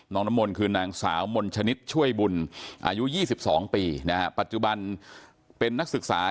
น้องน้ำมนต์คือนางสาวมนชนิดช่วยบุญอายุ๒๒ปีนะฮะปัจจุบันเป็นนักศึกษา